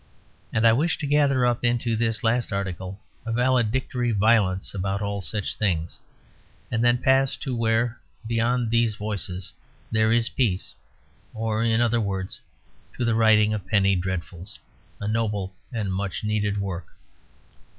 And I wish to gather up into this last article a valedictory violence about all such things; and then pass to where, beyond these voices, there is peace or in other words, to the writing of Penny Dreadfuls; a noble and much needed work.